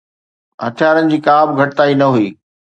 هٿيارن جي ڪا به گهٽتائي نه هئي.